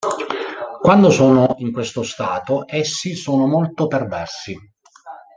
Quando sono in questo stato essi sono molto perversi.